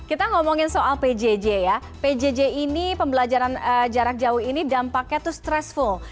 kita ngomongin soal pjj ya pjj ini pembelajaran jarak jauh ini dampaknya itu stressful